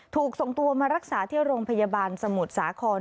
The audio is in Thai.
ถูกส่งตัวมารักษาที่โรงพยาบาลสมุทรสาคร